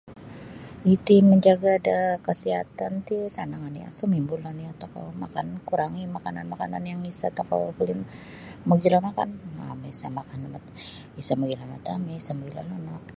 Iti manjaga da kasiatan ti sanang oni sumimbol oni tokou makan kurangi makanan-makanan yang isa tokou buli mogilo makan um biasa makan isa mogilo matamis isa mogilo lunok.